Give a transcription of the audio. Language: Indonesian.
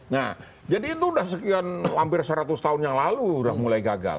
nah jadi itu sudah sekian hampir seratus tahun yang lalu sudah mulai gagal